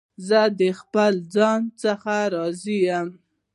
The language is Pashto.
زه د خپل ځان څخه راضي یم.